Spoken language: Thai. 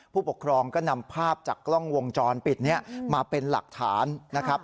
ผู้ปกครองก็นำภาพจากกล้องวงจรปิดนี้มาเป็นหลักฐานนะครับ